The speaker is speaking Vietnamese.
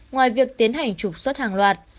ngoài việc tiến hành trục xuất hàng loạt